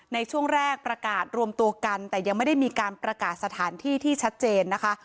ในช่วงแรกประกาศรวมตัวกันแต่ยังไม่ได้มีการประกาศสถานที่ที่ชัดเจนนะคะ